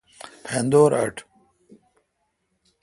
پھندور اٹ۔